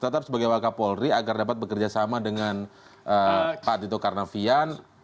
tetap sebagai wakapolri agar dapat bekerja sama dengan pak tito karnavian